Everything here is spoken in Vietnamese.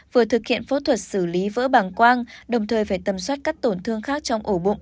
vừa thực hiện phẫu thuật xử lý vỡ bàng quang đồng thời phải tầm soát các tổn thương khác trong ổ bụng